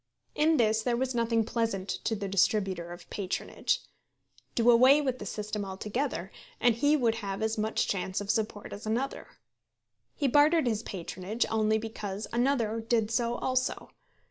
In this there was nothing pleasant to the distributer of patronage. Do away with the system altogether, and he would have as much chance of support as another. He bartered his patronage only because another did so also.